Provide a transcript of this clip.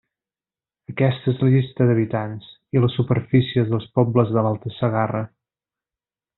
Aquesta és la llista d'habitants i les superfícies dels pobles de l'Alta Segarra.